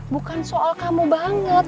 bukan soal kamu banget